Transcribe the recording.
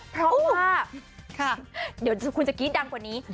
เพราะว่าเดี๋ยวคุณจะกรี๊ดดังกว่านี้